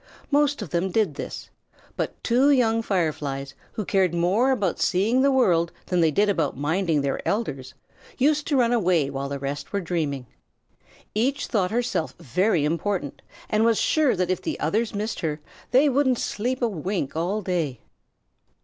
Most of them did this, but two young Fireflies, who cared more about seeing the world than they did about minding their elders, used to run away while the rest were dreaming. Each thought herself very important, and was sure that if the others missed her they wouldn't sleep a wink all day.